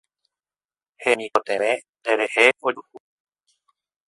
Hemikotevẽ nde rehe ojuhu